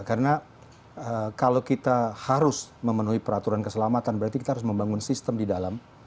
karena kalau kita harus memenuhi peraturan keselamatan berarti kita harus membangun sistem di dalam